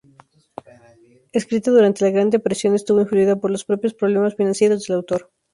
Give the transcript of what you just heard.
Escrita durante la gran depresión, estuvo influida por los propios problemas financieros del autor.